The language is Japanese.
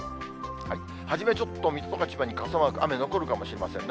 初めちょっと、水戸とか千葉に傘マーク、雨、残るかもしれませんね。